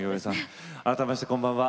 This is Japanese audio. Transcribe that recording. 改めましてこんばんは。